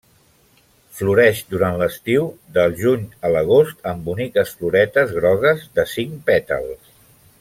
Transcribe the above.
Floreix durant l'estiu del juny a l'agost amb boniques floretes grogues de cinc pètals.